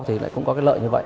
thì cũng có cái lợi như vậy